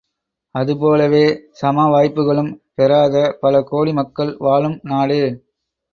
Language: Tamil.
அதுபோலவே சம வாய்ப்புக்களும் பெறாத பல கோடி மக்கள் வாழும் நாடு.